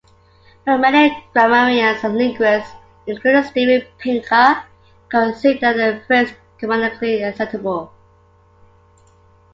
But many grammarians and linguists, including Steven Pinker, consider the phrase grammatically acceptable.